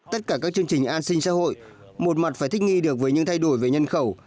tất cả các chương trình an sinh xã hội một mặt phải thích nghi được với những thay đổi về nhân khẩu